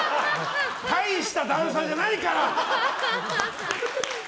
大した段差じゃないから！